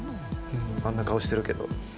あんな顔してるけど。